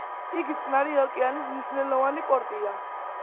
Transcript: იგი წყნარი ოკეანის მნიშვნელოვანი პორტია.